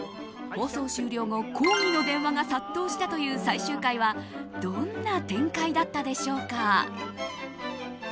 放送終了後、抗議の電話が殺到したという最終回はどんな展開だったでしょうか。